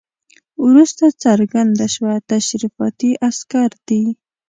وروسته څرګنده شوه تشریفاتي عسکر دي.